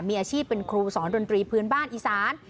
มีอาชีพเป็นครูสอนดนตรีพื้นบ้านอีสาน